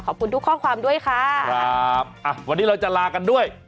ขอบคุณทุกข้อความด้วยค่ะครับอ่ะวันนี้เราจะลากันด้วย